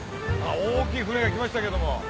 大きい船が来ましたけども。